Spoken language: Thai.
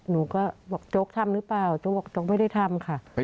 หนูก็บอกโจ๊กทำหรือเปล่าโจ๊กบอกโจ๊กไม่ได้ทำค่ะ